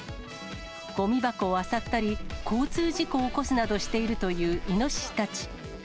ごみ箱をあさったり、交通事故を起こすなどしているというイノシシたち。